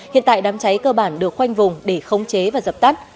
hiện tại đám cháy cơ bản được khoanh vùng để khống chế và dập tắt